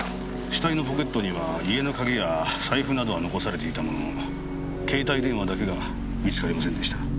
死体のポケットには家の鍵や財布などは残されていたものの携帯電話だけが見つかりませんでした。